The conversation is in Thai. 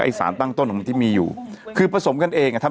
มีสารตั้งต้นเนี่ยคือยาเคเนี่ยใช่ไหมคะ